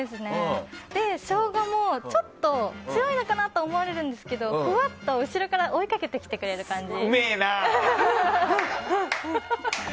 ショウガもちょっと強いのかなと思われるんですけどほわっと後ろから追いかけてくれる感じ。